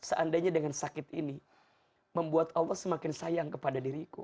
seandainya dengan sakit ini membuat allah semakin sayang kepada diriku